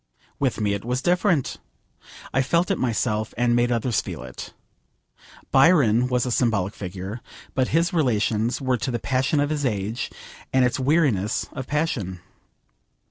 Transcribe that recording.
With me it was different. I felt it myself, and made others feel it. Byron was a symbolic figure, but his relations were to the passion of his age and its weariness of passion.